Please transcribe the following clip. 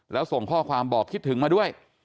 แล้วส่งข้อความบอกคิดถึงมาด้วย